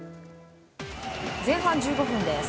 前半１５分です。